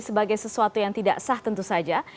sebagai sesuatu yang tidak sah tentu saja